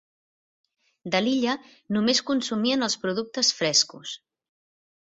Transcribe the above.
De l'illa només consumien els productes frescos.